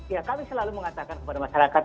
ya kami selalu mengatakan kepada masyarakat